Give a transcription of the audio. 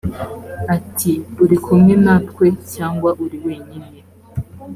ati uri kumwe natwe cyangwa uri wenyine